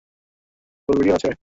ফুল video আছে?